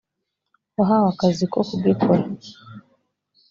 wahawe akazi ko kugikora